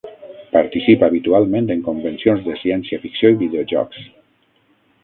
Participa habitualment en convencions de ciència-ficció i videojocs.